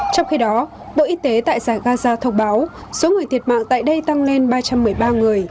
trong khi đó bộ y tế tại giải gaza thông báo số người thiệt mạng tại đây tăng lên ba trăm một mươi ba người